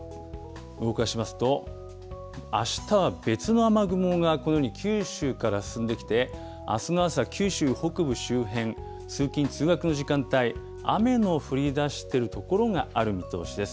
動かしますと、あしたは別の雨雲が、このように九州から進んできて、あすの朝、九州北部周辺、通勤・通学の時間帯、雨の降りだしている所がある見通しです。